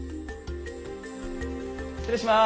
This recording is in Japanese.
失礼します。